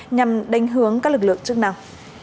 nhằm đánh hướng các lực lượng chức năng